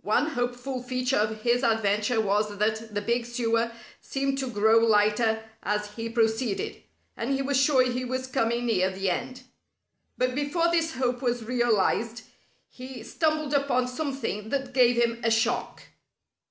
One hopeful feature of his adventure was that the big sewer seemed to grow lighter as he proceeded, and he was sure he was coming near the end. But before this hope was realized he stumbled upon something that gave him a shock.